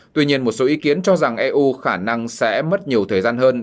tuy nhiên một số ý kiến cho rằng eu khả năng sẽ mất nhiều thời gian hơn